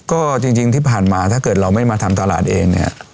ก็จริงที่ผ่านมาถ้าเกิดเราไม่มาทำตลาดเองเนี่ย